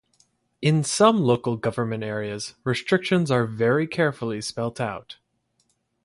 In some local government areas restrictions are very carefully spelt out.